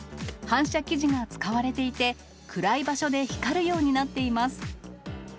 反射生地が使われていて、暗い場所で光るようになっています。